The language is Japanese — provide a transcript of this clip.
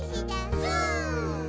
「ス！」